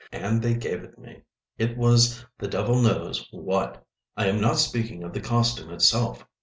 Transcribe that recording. And they gave it me. It was the devil knows what! I am not speaking of the costume itself.